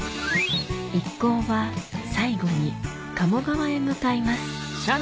一行は最後に鴨川へ向かいます